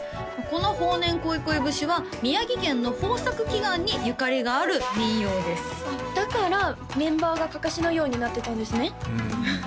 この「豊年こいこい節」は宮城県の豊作祈願にゆかりがある民謡ですだからメンバーがかかしのようになってたんですねああ